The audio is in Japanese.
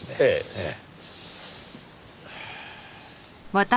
ええ。